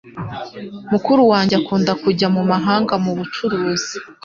Mukuru wanjye akunda kujya mu mahanga mu bucuruzi.